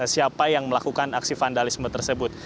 siapa yang melakukan aksi vandalisme tersebut